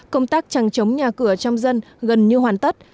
công tác chẳng chống nhà cửa trong dân gần như hoàn tất